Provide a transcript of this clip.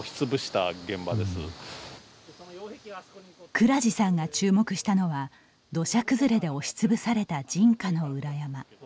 蔵治さんが注目したのは土砂崩れで押し潰された人家の裏山。